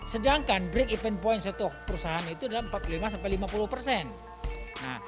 sedangkan break event point satu perusahaan itu dalam empat puluh lima lima puluh persen